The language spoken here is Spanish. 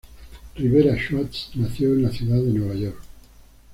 Rivera Schatz nació en la ciudad de Nueva York.